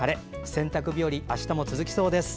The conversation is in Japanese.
洗濯日和、あしたも続きそうです。